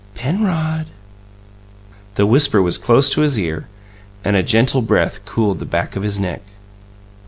"PENROD?" The whisper was close to his ear, and a gentle breath cooled the back of his neck.